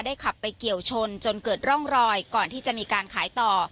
ขับไปเกี่ยวชนจนเกิดร่องรอยก่อนที่จะมีการขายต่อ